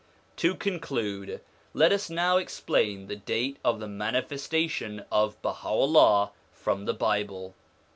To conclude, let us now explain the date of the manifestation of Baha'u'llah from the Bible.